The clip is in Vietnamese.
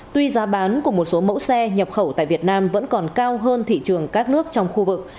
tuy giá bán của một số mẫu xe nhập khẩu tại việt nam vẫn còn cao hơn thị trường các nước trong khu vực